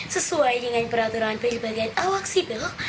sesuai dengan peraturan peribadi awal sibil